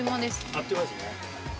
あっという間ですね。